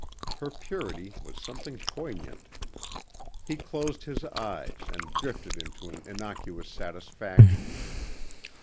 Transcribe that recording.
Her purity was something poignant. He closed his eyes and drifted into an innocuous satisfaction.